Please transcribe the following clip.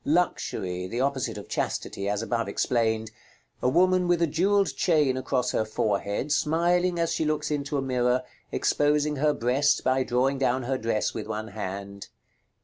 _ Luxury (the opposite of chastity, as above explained). A woman with a jewelled chain across her forehead, smiling as she looks into a mirror, exposing her breast by drawing down her dress with one hand.